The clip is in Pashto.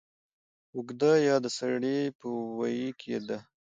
اوږده يا د سړې په ویي کې ده